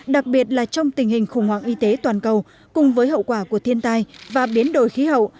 đặc biệt là trong tình hình khủng hoảng y tế toàn cầu cùng với hậu quả của thiên tai và biến đổi khí hậu